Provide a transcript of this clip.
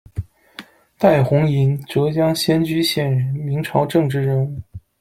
戴弘寅，浙江仙居县人，明朝政治人物。